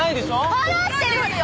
払ってるよ！